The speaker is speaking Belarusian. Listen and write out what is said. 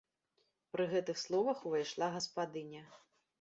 Пры гэтых словах увайшла гаспадыня.